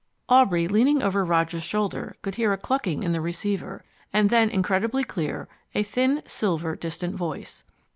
Aubrey, leaning over Roger's shoulder, could hear a clucking in the receiver, and then, incredibly clear, a thin, silver, distant voice.